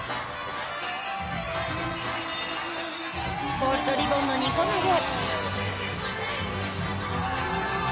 ボールとリボンの２個投げ。